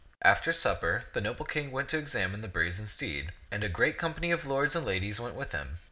After supper the noble King went to examine the brazen steed, and a great company of lords and ladies went with him.